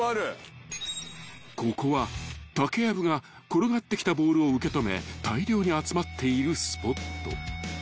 ［ここは竹やぶが転がってきたボールを受け止め大量に集まっているスポット］